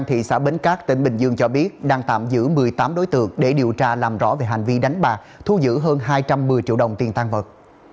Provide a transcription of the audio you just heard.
thu dữ hơn hai trăm một mươi triệu đồng tiền tăng vật